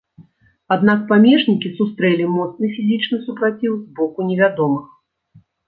Аднак памежнікі сустрэлі моцны фізічны супраціў з боку невядомых.